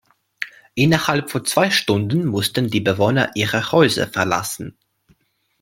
Innerhalb von zwei Stunden mussten die Bewohner ihre Häuser verlassen.